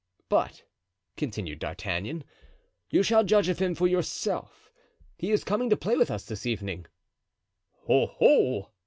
"But," continued D'Artagnan, "you shall judge of him for yourself. He is coming to play with us this evening." "Oho!"